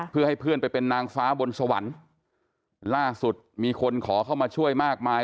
เพื่อให้เพื่อนไปเป็นนางฟ้าบนสวรรค์ล่าสุดมีคนขอเข้ามาช่วยมากมาย